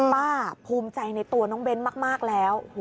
ภูมิใจในตัวน้องเบ้นมากแล้ว